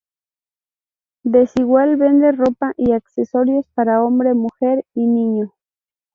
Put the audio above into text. Desigual vende ropa y accesorios para hombre, mujer y niño.